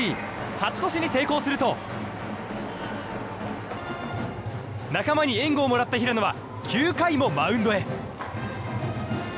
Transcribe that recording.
勝ち越しに成功すると仲間に援護をもらった平野は９回もマウンドへ。